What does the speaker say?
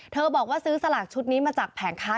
บอกว่าซื้อสลากชุดนี้มาจากแผงค้า